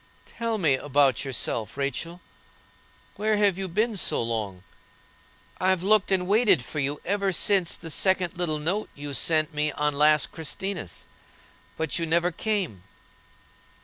"Tell me about yourself, Rachel. Where have you been so long? I've looked and waited for you ever since the second little note you sent me on last Christinas; but you never came."